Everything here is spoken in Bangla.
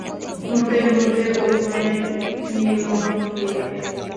মুহূর্তের মধ্যে উভয়ের মিলন হইয়া গেল।